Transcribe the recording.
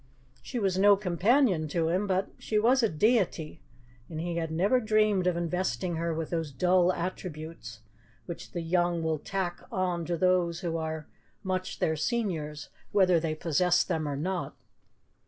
She was no companion to him, but she was a deity, and he had never dreamed of investing her with those dull attributes which the young will tack on to those who are much their seniors, whether they possess them or not.